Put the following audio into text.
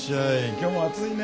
今日も暑いね。